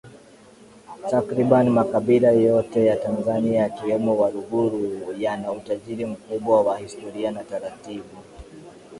Takriban makabila yote ya Tanzania wakiwemo Waluguru yana utajiri mkubwa wa Historia na taratibu